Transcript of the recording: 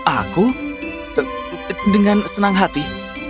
aku dengan senang hati